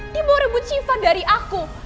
dia mau rebut syifa dari aku